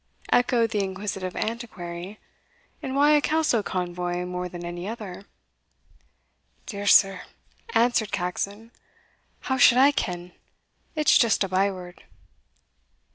echoed the inquisitive Antiquary; "and why a Kelso convoy more than any other?" "Dear sir," answered Caxon, "how should I ken? it's just a by word."